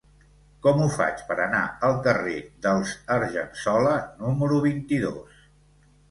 Com ho faig per anar al carrer dels Argensola número vint-i-dos?